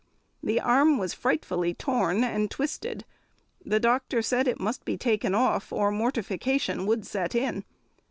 The arm was frightfully torn and twisted; the doctor said it must be taken off, or mortification would set in.